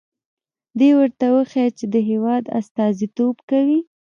دې ورته وښيي چې د هېواد استازیتوب کوي.